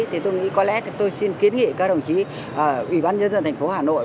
thì tôi nghĩ có lẽ tôi xin kiến nghị các đồng chí ủy ban nhân dân thành phố hà nội